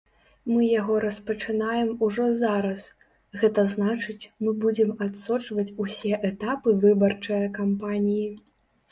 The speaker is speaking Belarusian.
Мы яго распачынаем ужо зараз, гэта значыць, мы будзем адсочваць усе этапы выбарчае кампаніі.